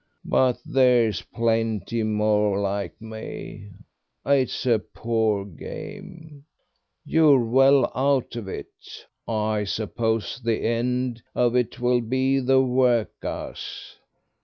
But there's plenty more like me. It's a poor game. You're well out of it. I suppose the end of it will be the work'us.